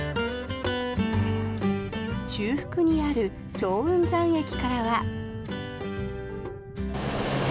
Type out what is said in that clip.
中腹にある早雲山駅からは。